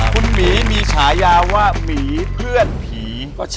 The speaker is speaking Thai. คุณหมีมีฉายาว่าหมีเพื่อนผี